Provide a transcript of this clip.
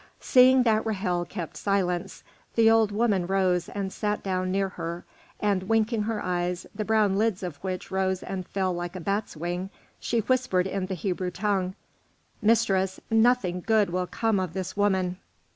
Seeing that Ra'hel kept silence, the old woman rose and sat down near her, and winking her eyes, the brown lids of which rose and fell like a bat's wing, she whispered in the Hebrew tongue, "Mistress, nothing good will come of this woman."